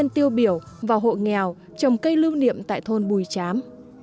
nào hộ nghèo trồng cây lưu niệm tại thôn bùi chám